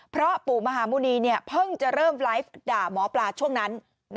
เพราะปู่มหาหมุณีเพิ่งจะเริ่มไลฟ์ด่าหมอปลาช่วงนั้น